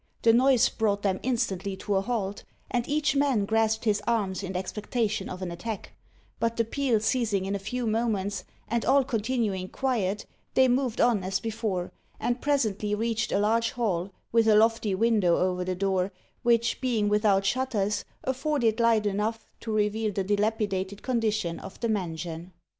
The noise brought them instantly to a halt, and each man grasped his arms in expectation of an attack, but the peal ceasing in a few moments, and all continuing quiet, they moved on as before, and presently reached a large hall with a lofty window over the door, which, being without shutters, afforded light enough to reveal the dilapidated condition of the mansion.